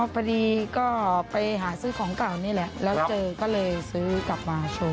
พอดีก็ไปหาซื้อของเก่านี่แหละแล้วเจอก็เลยซื้อกลับมาโชว์